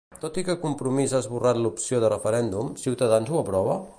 Tot i que Compromís ha esborrat l'opció de referèndum, Ciutadans ho aprova?